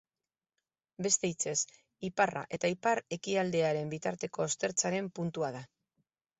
Beste hitzez, iparra eta ipar-ekialdearen bitarteko ostertzaren puntua da.